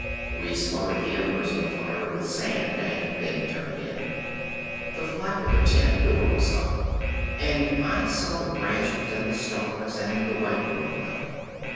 We smothered the embers of the fire with sand, and then turned in. The flap of the tent door was up, and I saw the branches and the stars and the white moonlight.